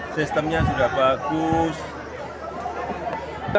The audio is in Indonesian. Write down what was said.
sistemnya sudah bagus